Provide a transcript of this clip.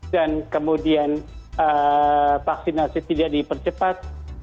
dan kemudian vaksinasi tidak dipercepat